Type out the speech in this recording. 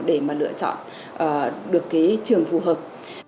để mà lựa chọn được cái trường phù hợp